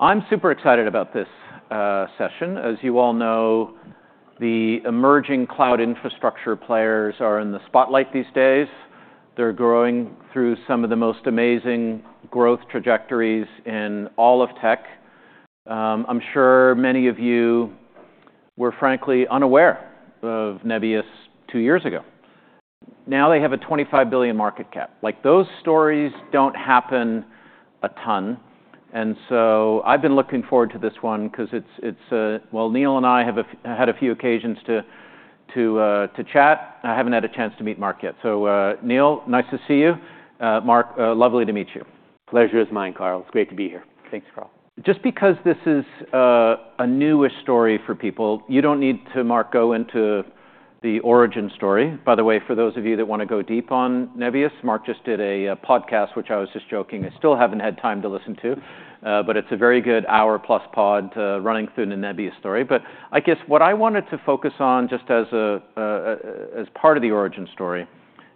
I'm super excited about this session. As you all know, the emerging cloud infrastructure players are in the spotlight these days. They're growing through some of the most amazing growth trajectories in all of tech. I'm sure many of you were, frankly, unaware of Nebius two years ago. Now they have a 25 billion market cap. Those stories don't happen a ton. And so I've been looking forward to this one because it's, well, Neil and I have had a few occasions to chat. I haven't had a chance to meet Marc yet. So Neil, nice to see you. Marc, lovely to meet you. Pleasure is mine, Carl. It's great to be here. Thanks, Carl. Just because this is a newish story for people, you don't need to, Marc, go into the origin story. By the way, for those of you that want to go deep on Nebius, Marc just did a podcast, which I was just joking I still haven't had time to listen to. But it's a very good hour-plus pod running through the Nebius story. But I guess what I wanted to focus on just as part of the origin story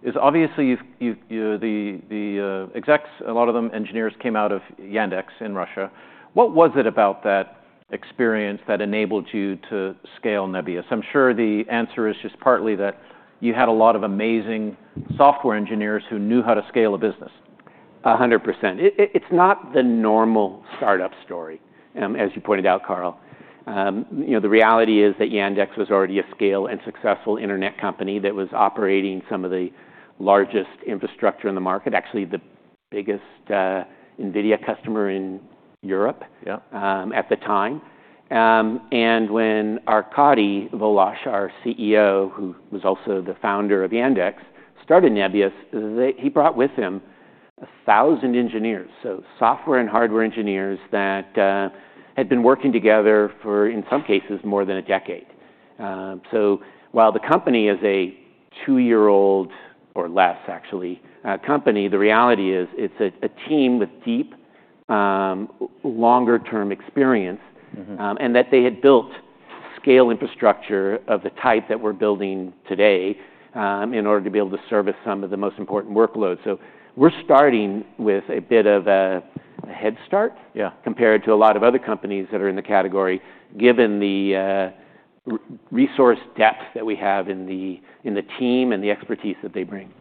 is, obviously, the execs, a lot of them, engineers came out of Yandex in Russia. What was it about that experience that enabled you to scale Nebius? I'm sure the answer is just partly that you had a lot of amazing software engineers who knew how to scale a business. 100%. It's not the normal startup story, as you pointed out, Carl. The reality is that Yandex was already at scale and successful internet company that was operating some of the largest infrastructure in the market, actually the biggest Nvidia customer in Europe at the time. And when Arkady Volozh, our CEO, who was also the founder of Yandex, started Nebius, he brought with him 1,000 engineers, so software and hardware engineers that had been working together for, in some cases, more than a decade. So while the company is a two-year-old, or less, actually, company, the reality is it's a team with deep, longer-term experience and that they had built scale infrastructure of the type that we're building today in order to be able to service some of the most important workloads. So we're starting with a bit of a head start compared to a lot of other companies that are in the category, given the resource depth that we have in the team and the expertise that they bring.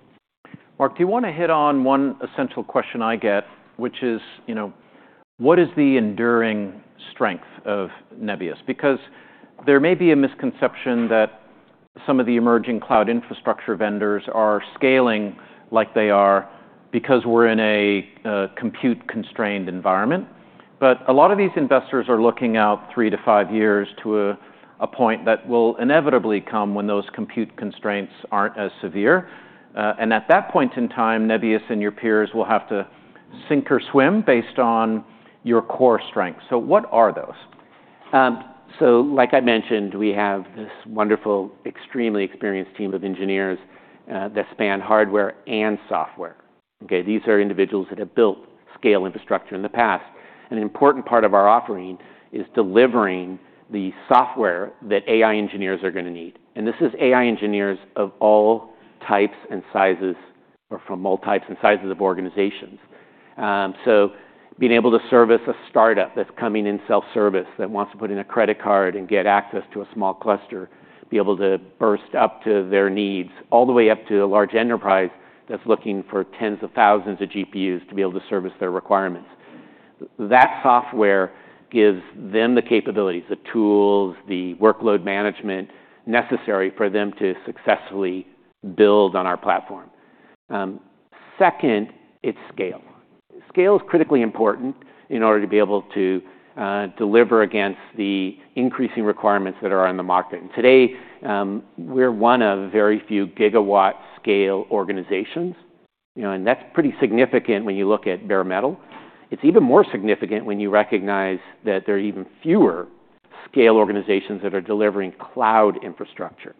Marc, do you want to hit on one essential question I get, which is, what is the enduring strength of Nebius? Because there may be a misconception that some of the emerging cloud infrastructure vendors are scaling like they are because we're in a compute-constrained environment. But a lot of these investors are looking out three to five years to a point that will inevitably come when those compute constraints aren't as severe. And at that point in time, Nebius and your peers will have to sink or swim based on your core strengths. So what are those? Like I mentioned, we have this wonderful, extremely experienced team of engineers that span hardware and software. These are individuals that have built scale infrastructure in the past. An important part of our offering is delivering the software that AI engineers are going to need. This is AI engineers of all types and sizes, or from all types and sizes of organizations. Being able to service a startup that's coming in self-service, that wants to put in a credit card and get access to a small cluster, be able to burst up to their needs, all the way up to a large enterprise that's looking for tens of thousands of GPUs to be able to service their requirements. That software gives them the capabilities, the tools, the workload management necessary for them to successfully build on our platform. Second, it's scale. Scale is critically important in order to be able to deliver against the increasing requirements that are on the market. Today, we're one of very few gigawatt-scale organizations, and that's pretty significant when you look at bare metal. It's even more significant when you recognize that there are even fewer scale organizations that are delivering cloud infrastructure.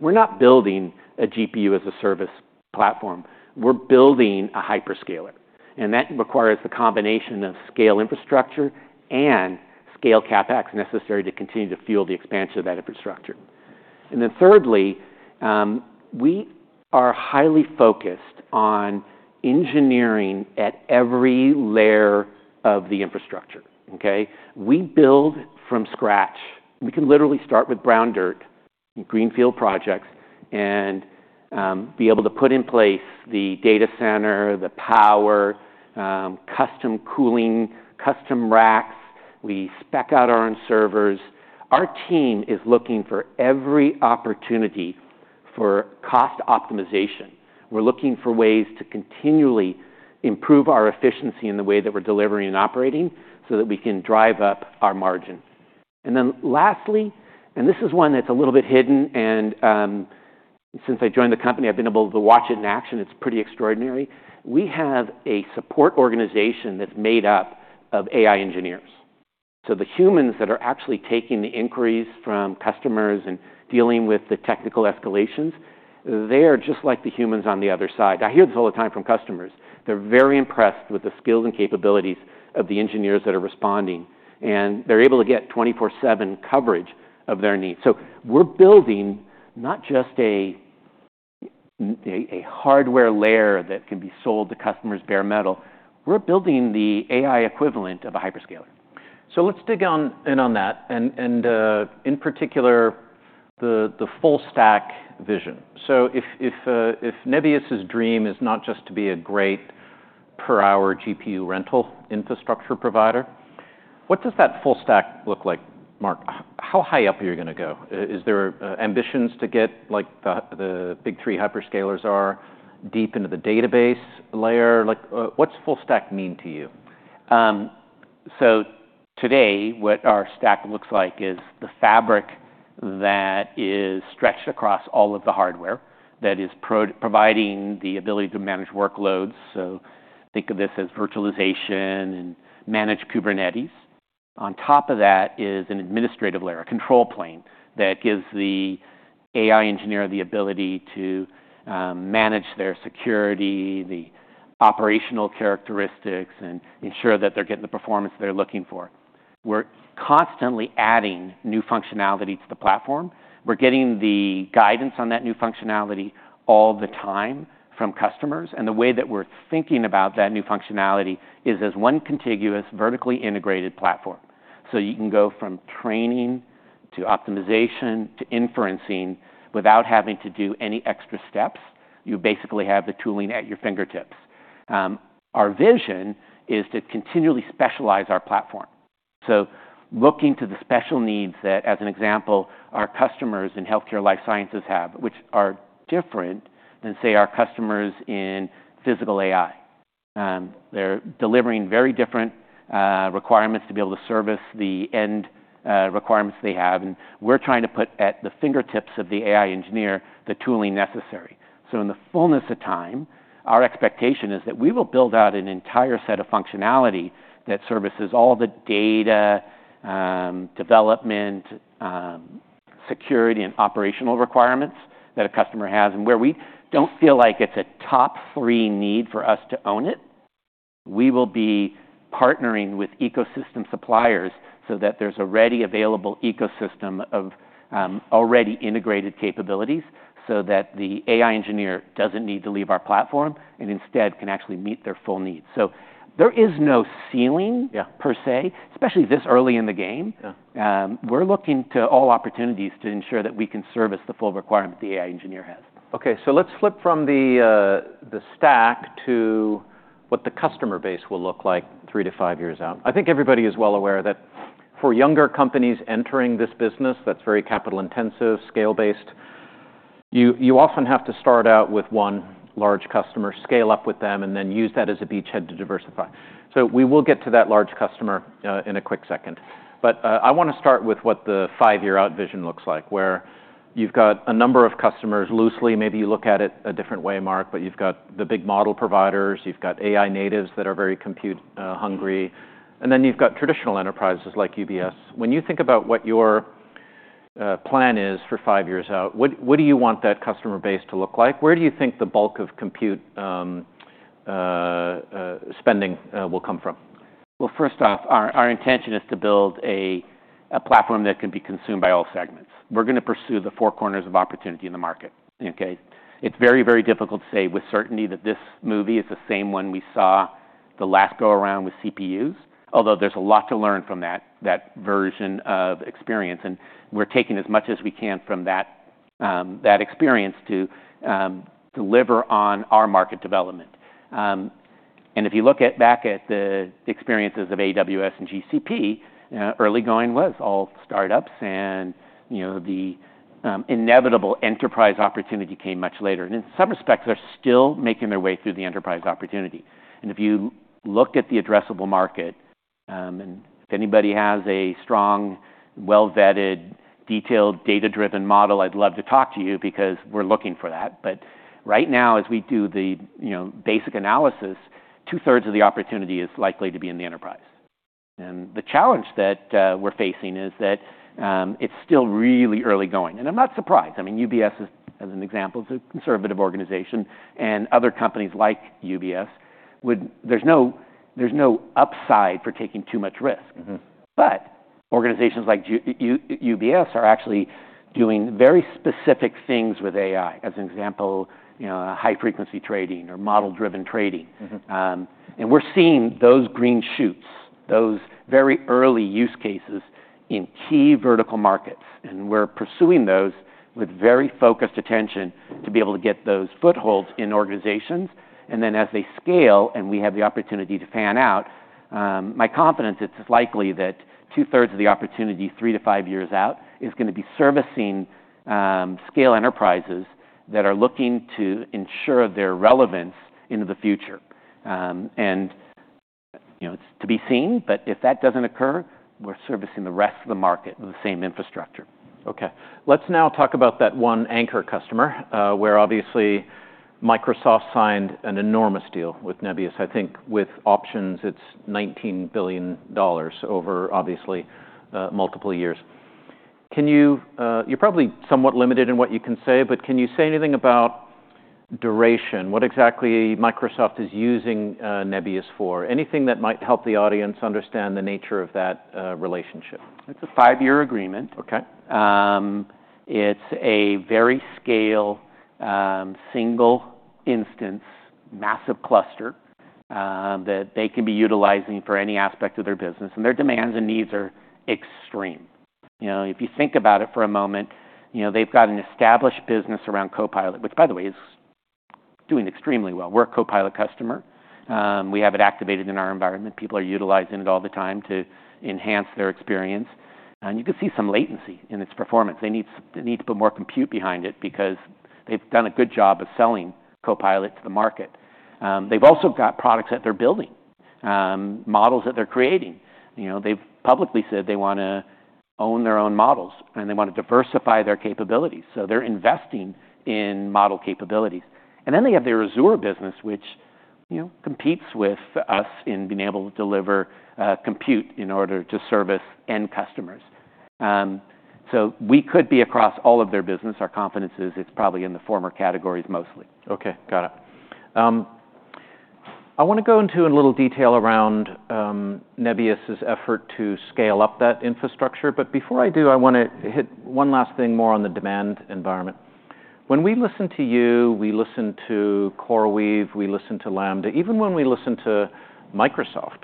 We're not building a GPU as a service platform. We're building a hyperscaler, and that requires the combination of scale infrastructure and scale CapEx necessary to continue to fuel the expansion of that infrastructure, and then thirdly, we are highly focused on engineering at every layer of the infrastructure. We build from scratch. We can literally start with brown dirt, greenfield projects, and be able to put in place the data center, the power, custom cooling, custom racks. We spec out our own servers. Our team is looking for every opportunity for cost optimization. We're looking for ways to continually improve our efficiency in the way that we're delivering and operating so that we can drive up our margin, and then lastly, and this is one that's a little bit hidden, and since I joined the company, I've been able to watch it in action. It's pretty extraordinary. We have a support organization that's made up of AI engineers, so the humans that are actually taking the inquiries from customers and dealing with the technical escalations, they are just like the humans on the other side. I hear this all the time from customers. They're very impressed with the skills and capabilities of the engineers that are responding, and they're able to get 24/7 coverage of their needs, so we're building not just a hardware layer that can be sold to customers, bare metal. We're building the AI equivalent of a hyperscaler. So let's dig in on that, and in particular, the full-stack vision. So if Nebius's dream is not just to be a great per-hour GPU rental infrastructure provider, what does that full-stack look like, Marc? How high up are you going to go? Is there ambitions to get like the big three hyperscalers are deep into the database layer? What's full-stack mean to you? Today, what our stack looks like is the fabric that is stretched across all of the hardware that is providing the ability to manage workloads. Think of this as virtualization and managed Kubernetes. On top of that is an administrative layer, a control plane that gives the AI engineer the ability to manage their security, the operational characteristics, and ensure that they're getting the performance they're looking for. We're constantly adding new functionality to the platform. We're getting the guidance on that new functionality all the time from customers. The way that we're thinking about that new functionality is as one contiguous, vertically integrated platform. You can go from training to optimization to inferencing without having to do any extra steps. You basically have the tooling at your fingertips. Our vision is to continually specialize our platform. Looking to the special needs that, as an example, our customers in healthcare life sciences have, which are different than, say, our customers in physical AI. They're delivering very different requirements to be able to service the end requirements they have. We're trying to put at the fingertips of the AI engineer the tooling necessary. In the fullness of time, our expectation is that we will build out an entire set of functionality that services all the data, development, security, and operational requirements that a customer has. Where we don't feel like it's a top priority need for us to own it, we will be partnering with ecosystem suppliers so that there's a readily available ecosystem of already integrated capabilities so that the AI engineer doesn't need to leave our platform and instead can actually meet their full needs. So there is no ceiling per se, especially this early in the game. We're looking to all opportunities to ensure that we can service the full requirement the AI engineer has. OK. So let's flip from the stack to what the customer base will look like three to five years out. I think everybody is well aware that for younger companies entering this business that's very capital-intensive, scale-based, you often have to start out with one large customer, scale up with them, and then use that as a beachhead to diversify. So we will get to that large customer in a quick second. But I want to start with what the five-year-out vision looks like, where you've got a number of customers loosely. Maybe you look at it a different way, Marc. But you've got the big model providers. You've got AI natives that are very compute-hungry. And then you've got traditional enterprises like UBS. When you think about what your plan is for five years out, what do you want that customer base to look like? Where do you think the bulk of compute spending will come from? Well, first off, our intention is to build a platform that can be consumed by all segments. We're going to pursue the four corners of opportunity in the market. It's very, very difficult to say with certainty that this movie is the same one we saw the last go-around with CPUs, although there's a lot to learn from that version of experience. And we're taking as much as we can from that experience to deliver on our market development. And if you look back at the experiences of AWS and GCP, early going was all startups. And the inevitable enterprise opportunity came much later. And in some respects, they're still making their way through the enterprise opportunity. And if you look at the addressable market, and if anybody has a strong, well-vetted, detailed, data-driven model, I'd love to talk to you because we're looking for that. But right now, as we do the basic analysis, two-thirds of the opportunity is likely to be in the enterprise. And the challenge that we're facing is that it's still really early going. And I'm not surprised. I mean, UBS, as an example, is a conservative organization. And other companies like UBS, there's no upside for taking too much risk. But organizations like UBS are actually doing very specific things with AI, as an example, high-frequency trading or model-driven trading. And we're seeing those green shoots, those very early use cases in key vertical markets. And we're pursuing those with very focused attention to be able to get those footholds in organizations. And then as they scale and we have the opportunity to pan out, my confidence it's likely that two-thirds of the opportunity, three to five years out, is going to be servicing scale enterprises that are looking to ensure their relevance into the future. And it's to be seen. But if that doesn't occur, we're servicing the rest of the market with the same infrastructure. OK. Let's now talk about that one anchor customer, where obviously Microsoft signed an enormous deal with Nebius. I think with options, it's $19 billion over obviously multiple years. You're probably somewhat limited in what you can say. But can you say anything about duration? What exactly Microsoft is using Nebius for? Anything that might help the audience understand the nature of that relationship? It's a five-year agreement. It's a very scalable, single-instance, massive cluster that they can be utilizing for any aspect of their business, and their demands and needs are extreme. If you think about it for a moment, they've got an established business around Copilot, which, by the way, is doing extremely well. We're a Copilot customer. We have it activated in our environment. People are utilizing it all the time to enhance their experience, and you can see some latency in its performance. They need to put more compute behind it because they've done a good job of selling Copilot to the market. They've also got products that they're building, models that they're creating. They've publicly said they want to own their own models, and they want to diversify their capabilities, so they're investing in model capabilities. And then they have their Azure business, which competes with us in being able to deliver compute in order to service end customers. So we could be across all of their business. Our confidence is it's probably in the former categories mostly. OK. Got it. I want to go into a little detail around Nebius's effort to scale up that infrastructure. But before I do, I want to hit one last thing more on the demand environment. When we listen to you, we listen to CoreWeave, we listen to Lambda, even when we listen to Microsoft,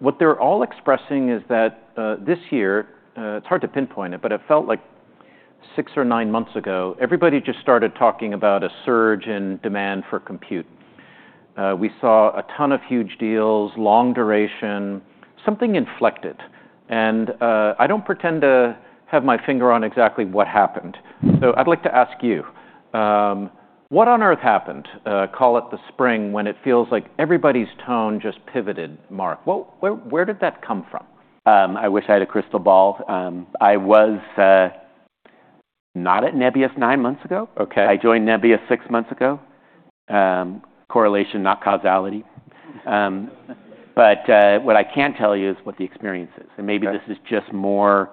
what they're all expressing is that this year it's hard to pinpoint it. But it felt like six or nine months ago, everybody just started talking about a surge in demand for compute. We saw a ton of huge deals, long duration, something inflected. And I don't pretend to have my finger on exactly what happened. So I'd like to ask you, what on earth happened, call it the spring, when it feels like everybody's tone just pivoted, Marc? Where did that come from? I wish I had a crystal ball. I was not at Nebius nine months ago. I joined Nebius six months ago. Correlation, not causality, but what I can't tell you is what the experience is, and maybe this is just more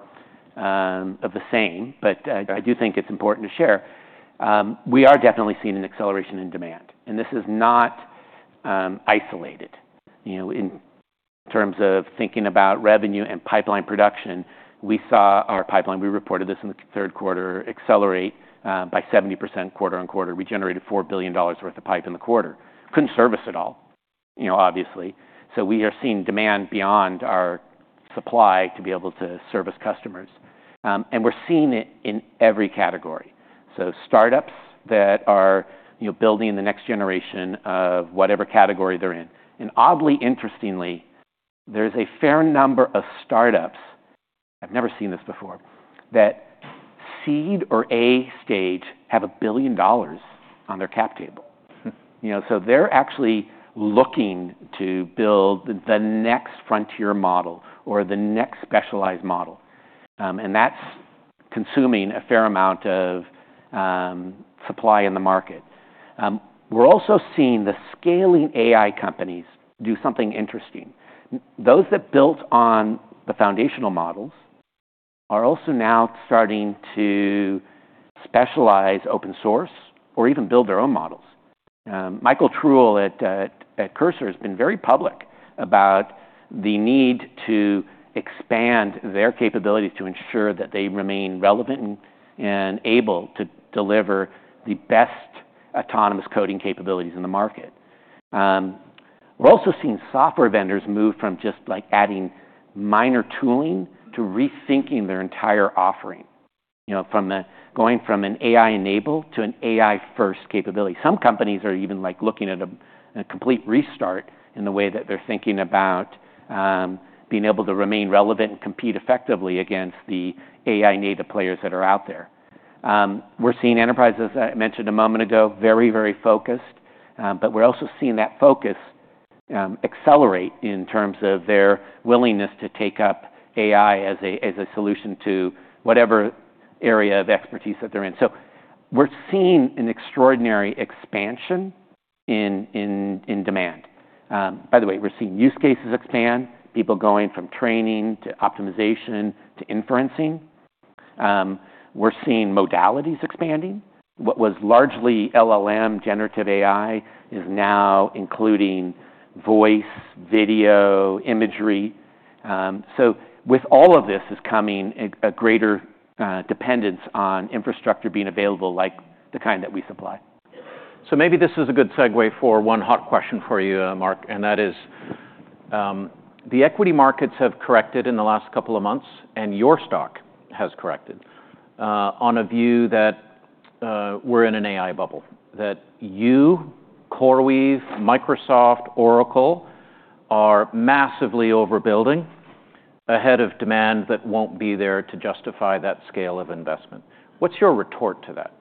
of the same, but I do think it's important to share. We are definitely seeing an acceleration in demand, and this is not isolated. In terms of thinking about revenue and pipeline production, we saw our pipeline, we reported this in the third quarter, accelerate by 70% quarter-on-quarter. We generated $4 billion worth of pipe in the quarter. Couldn't service it all, obviously, so we are seeing demand beyond our supply to be able to service customers, and we're seeing it in every category, so startups that are building the next generation of whatever category they're in. And oddly, interestingly, there's a fair number of startups I've never seen this before that seed or A stage have a- billion dollar on their cap table. So they're actually looking to build the next frontier model or the next specialized model. And that's consuming a fair amount of supply in the market. We're also seeing the scaling AI companies do something interesting. Those that built on the foundational models are also now starting to specialize open source or even build their own models. Michael Truell at Cursor has been very public about the need to expand their capabilities to ensure that they remain relevant and able to deliver the best autonomous coding capabilities in the market. We're also seeing software vendors move from just adding minor tooling to rethinking their entire offering, going from an AI-enabled to an AI-first capability. Some companies are even looking at a complete restart in the way that they're thinking about being able to remain relevant and compete effectively against the AI-native players that are out there. We're seeing enterprises, as I mentioned a moment ago, very, very focused. But we're also seeing that focus accelerate in terms of their willingness to take up AI as a solution to whatever area of expertise that they're in. So we're seeing an extraordinary expansion in demand. By the way, we're seeing use cases expand, people going from training to optimization to inferencing. We're seeing modalities expanding. What was largely LLM generative AI is now including voice, video, imagery. So with all of this is coming a greater dependence on infrastructure being available like the kind that we supply. So maybe this is a good segue for one hot question for you, Marc. And that is, the equity markets have corrected in the last couple of months. And your stock has corrected on a view that we're in an AI bubble, that you, CoreWeave, Microsoft, Oracle are massively overbuilding ahead of demand that won't be there to justify that scale of investment. What's your retort to that?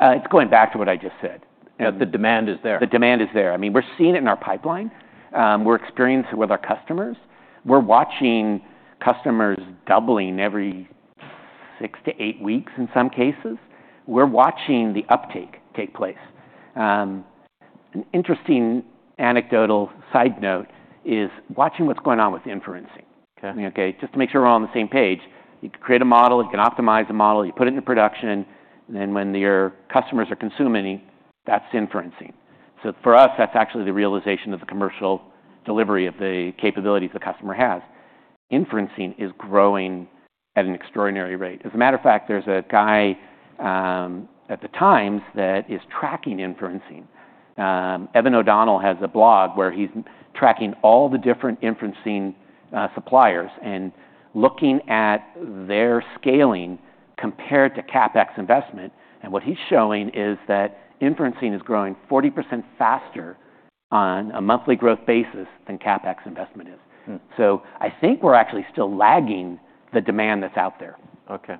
It's going back to what I just said. That the demand is there. The demand is there. I mean, we're seeing it in our pipeline. We're experiencing it with our customers. We're watching customers doubling every six-eight weeks in some cases. We're watching the uptake take place. An interesting anecdotal side note is watching what's going on with inferencing. Just to make sure we're on the same page, you can create a model. You can optimize a model. You put it into production. And then when your customers are consuming it, that's inferencing. So for us, that's actually the realization of the commercial delivery of the capabilities the customer has. Inferencing is growing at an extraordinary rate. As a matter of fact, there's a guy at The Times that is tracking inferencing. Evan O'Donnell has a blog where he's tracking all the different inferencing suppliers and looking at their scaling compared to CapEx investment. What he's showing is that inferencing is growing 40% faster on a monthly growth basis than CapEx investment is. I think we're actually still lagging the demand that's out there. OK.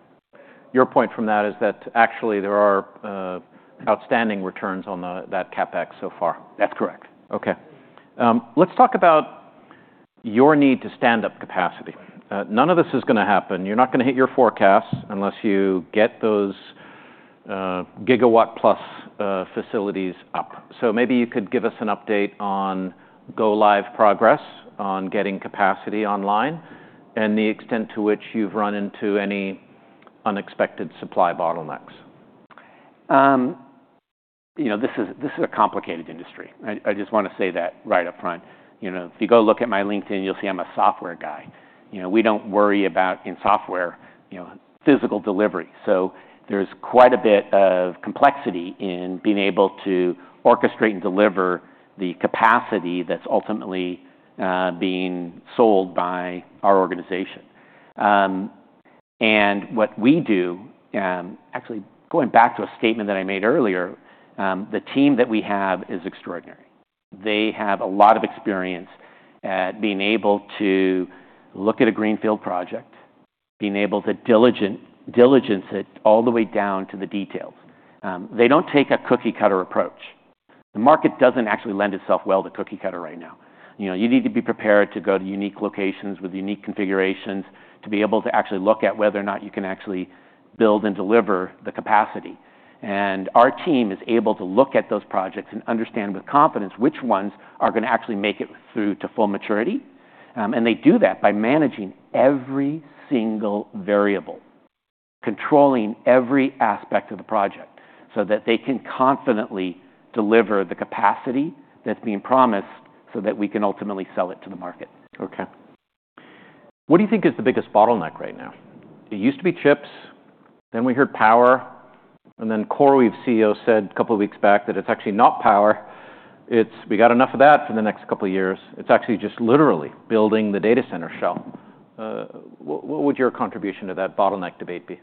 Your point from that is that actually there are outstanding returns on that CapEx so far. That's correct. OK. Let's talk about your need to stand up capacity. None of this is going to happen. You're not going to hit your forecasts unless you get those gigawatt-plus facilities up. So maybe you could give us an update on go-live progress on getting capacity online and the extent to which you've run into any unexpected supply bottlenecks? This is a complicated industry. I just want to say that right up front. If you go look at my LinkedIn, you'll see I'm a software guy. We don't worry about, in software, physical delivery, so there's quite a bit of complexity in being able to orchestrate and deliver the capacity that's ultimately being sold by our organization, and what we do actually, going back to a statement that I made earlier, the team that we have is extraordinary. They have a lot of experience at being able to look at a greenfield project, being able to diligence it all the way down to the details. They don't take a cookie-cutter approach. The market doesn't actually lend itself well to cookie-cutter right now. You need to be prepared to go to unique locations with unique configurations to be able to actually look at whether or not you can actually build and deliver the capacity. And our team is able to look at those projects and understand with confidence which ones are going to actually make it through to full maturity. And they do that by managing every single variable, controlling every aspect of the project so that they can confidently deliver the capacity that's being promised so that we can ultimately sell it to the market. OK. What do you think is the biggest bottleneck right now? It used to be chips. Then we heard power. And then CoreWeave's CEO said a couple of weeks back that it's actually not power. We've got enough of that for the next couple of years. It's actually just literally building the data center shell. What would your contribution to that bottleneck debate be?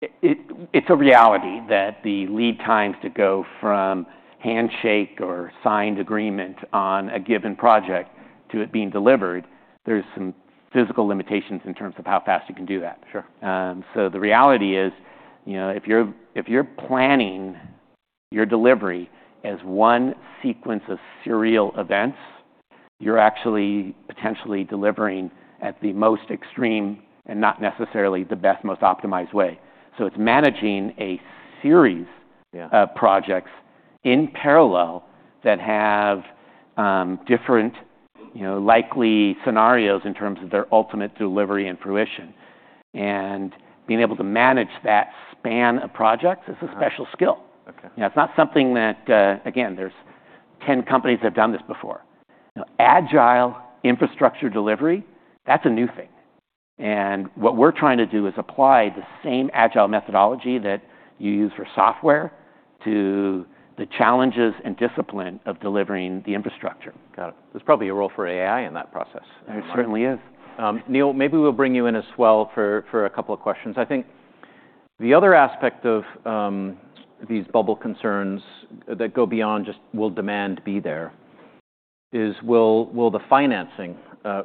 It's a reality that the lead times to go from handshake or signed agreement on a given project to it being delivered, there's some physical limitations in terms of how fast you can do that, so the reality is, if you're planning your delivery as one sequence of serial events, you're actually potentially delivering at the most extreme and not necessarily the best, most optimized way, so it's managing a series of projects in parallel that have different likely scenarios in terms of their ultimate delivery and fruition, and being able to manage that span of projects is a special skill. It's not something that, again, there's 10 companies that have done this before. Agile infrastructure delivery, that's a new thing, and what we're trying to do is apply the same agile methodology that you use for software to the challenges and discipline of delivering the infrastructure. Got it. There's probably a role for AI in that process. There certainly is. Neil, maybe we'll bring you in as well for a couple of questions. I think the other aspect of these bubble concerns that go beyond just will demand be there is, will the financing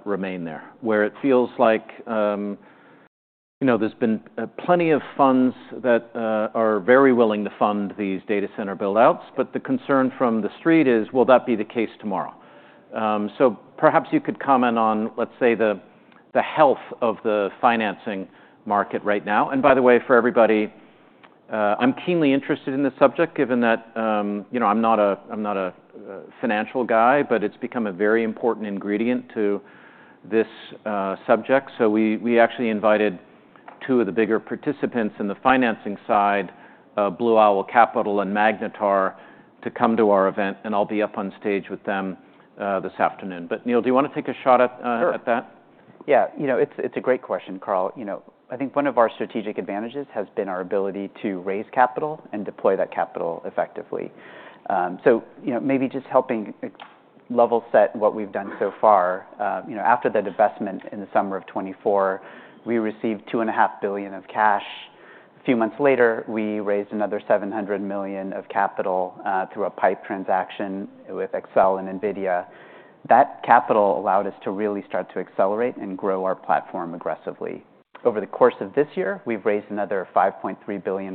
remain there? Where it feels like there's been plenty of funds that are very willing to fund these data center build-outs. But the concern from the street is, will that be the case tomorrow? So perhaps you could comment on, let's say, the health of the financing market right now. And by the way, for everybody, I'm keenly interested in this subject given that I'm not a financial guy. But it's become a very important ingredient to this subject. So we actually invited two of the bigger participants in the financing side, Blue Owl Capital and Magnetar, to come to our event. And I'll be up on stage with them this afternoon. But Neil, do you want to take a shot at that? Sure. Yeah. It's a great question, Carl. I think one of our strategic advantages has been our ability to raise capital and deploy that capital effectively. So maybe just helping level set what we've done so far. After that investment in the summer of 2024, we received 2.5 billion of cash. A few months later, we raised another 700 million of capital through a pipe transaction with Accel and NVIDIA. That capital allowed us to really start to accelerate and grow our platform aggressively. Over the course of this year, we've raised another $5.3 billion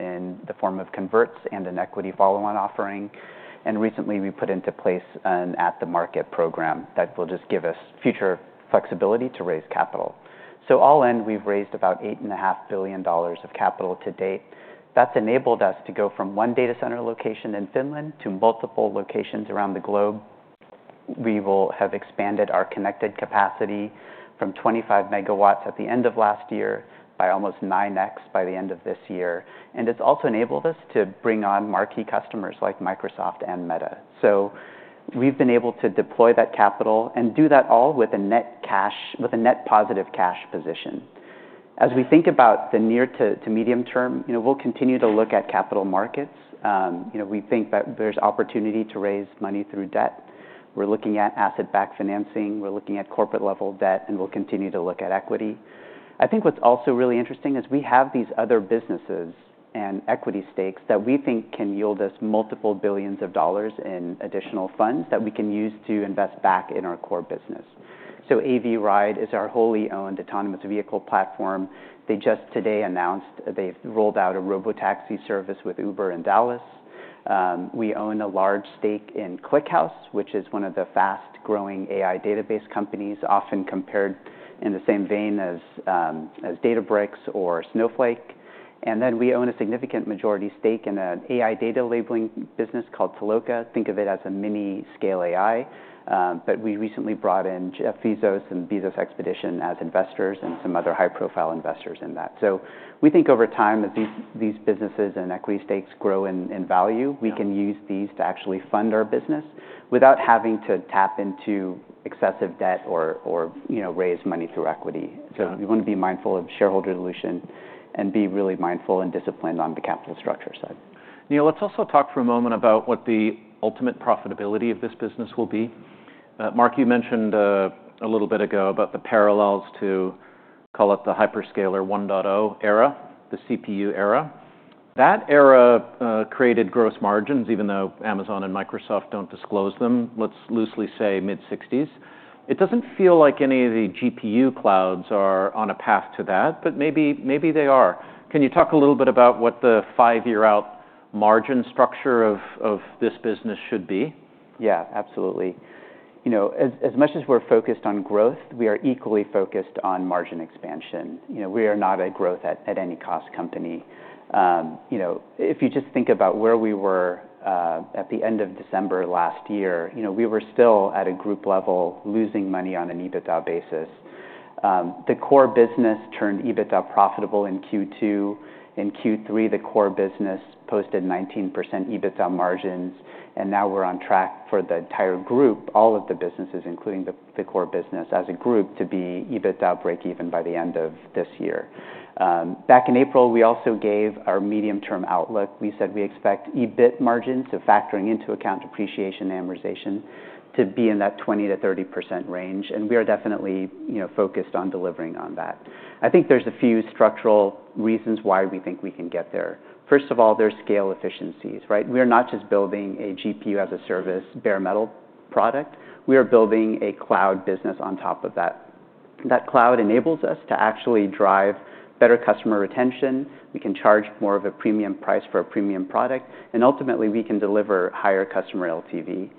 in the form of converts and an equity follow-on offering. And recently, we put into place an at-the-market program that will just give us future flexibility to raise capital. So all in, we've raised about $8.5 billion of capital to date. That's enabled us to go from one data center location in Finland to multiple locations around the globe. We will have expanded our connected capacity from 2 MW at the end of last year by almost 9x by the end of this year. And it's also enabled us to bring on marquee customers like Microsoft and Meta. So we've been able to deploy that capital and do that all with a net positive cash position. As we think about the near to medium term, we'll continue to look at capital markets. We think that there's opportunity to raise money through debt. We're looking at asset-backed financing. We're looking at corporate-level debt. And we'll continue to look at equity. I think what's also really interesting is we have these other businesses and equity stakes that we think can yield us multiple billions of dollars in additional funds that we can use to invest back in our core business, so Avride is our wholly owned autonomous vehicle platform. They just today announced they've rolled out a robotaxi service with Uber in Dallas. We own a large stake in ClickHouse, which is one of the fast-growing AI database companies, often compared in the same vein as Databricks or Snowflake, and then we own a significant majority stake in an AI data labeling business called Toloka. Think of it as a mini-Scale AI, but we recently brought in Jeff Bezos and Bezos Expeditions as investors and some other high-profile investors in that. So we think over time, as these businesses and equity stakes grow in value, we can use these to actually fund our business without having to tap into excessive debt or raise money through equity. So we want to be mindful of shareholder dilution and be really mindful and disciplined on the capital structure side. Neil, let's also talk for a moment about what the ultimate profitability of this business will be. Marc, you mentioned a little bit ago about the parallels to, call it the hyperscaler 1.0 era, the CPU era. That era created gross margins, even though Amazon and Microsoft don't disclose them. Let's loosely say mid-60s%. It doesn't feel like any of the GPU clouds are on a path to that. But maybe they are. Can you talk a little bit about what the five-year-out margin structure of this business should be? Yeah, absolutely. As much as we're focused on growth, we are equally focused on margin expansion. We are not a growth-at-any-cost company. If you just think about where we were at the end of December last year, we were still at a group level losing money on an EBITDA basis. The core business turned EBITDA profitable in Q2. In Q3, the core business posted 19% EBITDA margins. And now we're on track for the entire group, all of the businesses, including the core business as a group, to be EBITDA break-even by the end of this year. Back in April, we also gave our medium-term outlook. We said we expect EBIT margins, so factoring into account depreciation and amortization, to be in that 20%-30% range. And we are definitely focused on delivering on that. I think there's a few structural reasons why we think we can get there. First of all, there's scale efficiencies. We are not just building a GPU as a service bare metal product. We are building a cloud business on top of that. That cloud enables us to actually drive better customer retention. We can charge more of a premium price for a premium product. And ultimately, we can deliver higher customer LTV.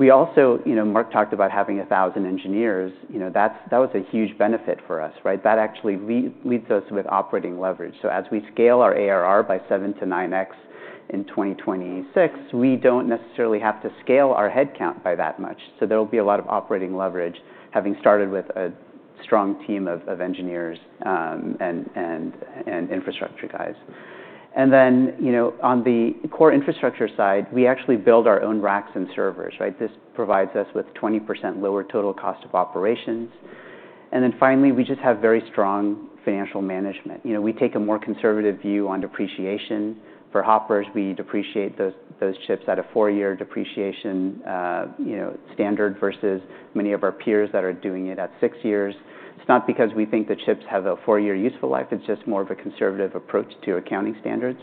We also, Marc talked about having 1,000 engineers. That was a huge benefit for us. That actually leads us with operating leverage. So as we scale our ARR by 7x-9x in 2026, we don't necessarily have to scale our headcount by that much. So there will be a lot of operating leverage, having started with a strong team of engineers and infrastructure guys. And then on the core infrastructure side, we actually build our own racks and servers. This provides us with 20% lower total cost of operations. Then finally, we just have very strong financial management. We take a more conservative view on depreciation. For Hopper, we depreciate those chips at a four-year depreciation standard versus many of our peers that are doing it at six years. It's not because we think the chips have a four-year useful life. It's just more of a conservative approach to accounting standards.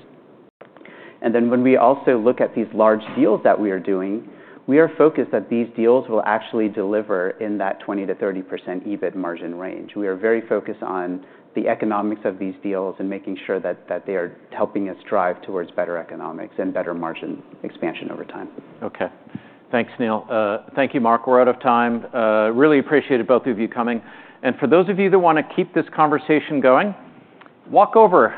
Then when we also look at these large deals that we are doing, we are focused that these deals will actually deliver in that 20%-30% EBIT margin range. We are very focused on the economics of these deals and making sure that they are helping us drive towards better economics and better margin expansion over time. OK. Thanks, Neil. Thank you, Marc. We're out of time. Really appreciated both of you coming, and for those of you that want to keep this conversation going, walk over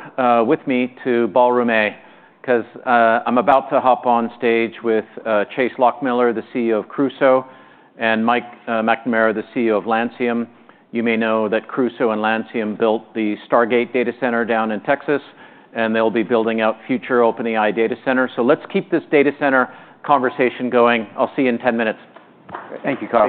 with me to Ballroom A, because I'm about to hop on stage with Chase Lochmiller, the CEO of Crusoe, and Mike McNamara, the CEO of Lancium. You may know that Crusoe and Lancium built the Stargate data center down in Texas, and they'll be building out future OpenAI data centers, so let's keep this data center conversation going. I'll see you in 10 minutes. Thank you, Carl.